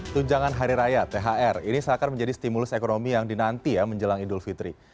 tunjangan hari raya thr ini seakan menjadi stimulus ekonomi yang dinanti ya menjelang idul fitri